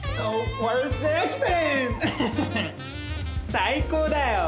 最高だよ！